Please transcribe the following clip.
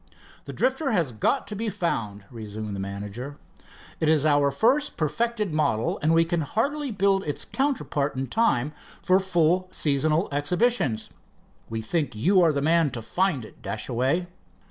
"The Drifter has got to be found," resumed the manager. "It is our first perfected model, and we can hardly build its counterpart in time for full seasonal exhibitions. We think you are the man to find it, Dashaway."